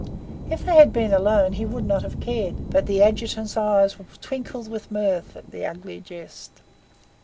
If they had been alone he would not have cared, but the Adjutant's eyes twinkled with mirth at the ugly jest.